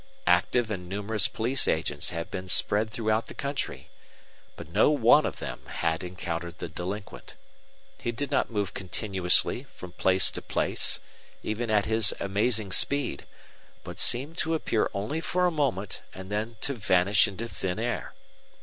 Active and numerous police agents had been spread throughout the country, but no one of them had encountered the delinquent. He did not move continuously from place to place, even at his amazing speed, but seemed to appear only for a moment and then to vanish into thin air.